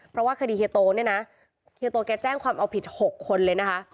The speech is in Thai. เพราะว่าคดีเฮียโตเนี่ยนะเฮียโตแกแจ้งความเอาผิด๖คนเลยนะคะ